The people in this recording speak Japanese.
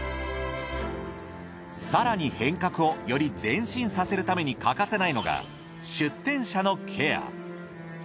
更に変革をより前進させるために欠かせないのが出店者のケア。